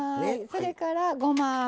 それからごま油。